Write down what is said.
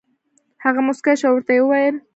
هغه موسکی شو او ورته یې وویل: